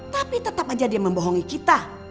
tapi tetap aja dia membohongi kita